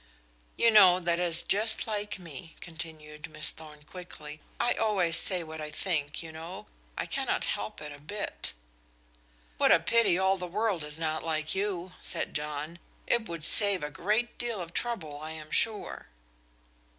"You know that is just like me," continued Miss Thorn quickly. "I always say what I think, you know. I cannot help it a bit." "What a pity all the world is not like you!" said John. "It would save a great deal of trouble, I am sure."